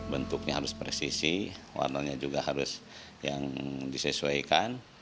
bentuknya harus presisi warnanya juga harus yang disesuaikan